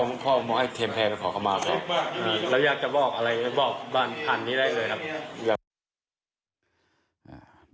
แล้วยากจะบอกอะไรบอกบ้านพันธุ์นี้ได้เลยครับ